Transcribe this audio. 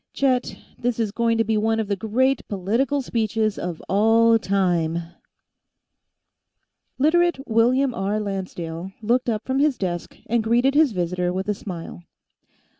Chet, this is going to be one of the great political speeches of all time "Literate William R. Lancedale looked up from his desk and greeted his visitor with a smile.